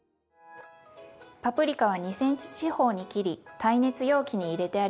パプリカは２ｃｍ四方に切り耐熱容器に入れてあります。